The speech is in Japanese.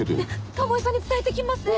鴨居さんに伝えて来ますね。